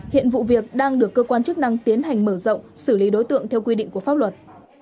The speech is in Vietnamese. hiện vụ việc đang được cơ quan chức năng tiến hành mở rộng xử lý đối tượng theo quy định của pháp luật